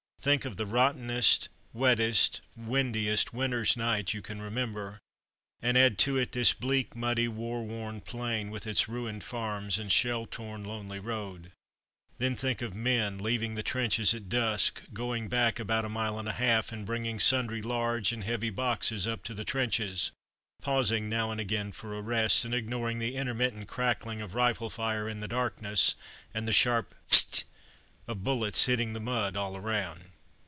Think of the rottenest, wettest, windiest winter's night you can remember, and add to it this bleak, muddy, war worn plain with its ruined farms and shell torn lonely road. Then think of men, leaving the trenches at dusk, going back about a mile and a half, and bringing sundry large and heavy boxes up to the trenches, pausing now and again for a rest, and ignoring the intermittent crackling of rifle fire in the darkness, and the sharp "phit" of bullets hitting the mud all around.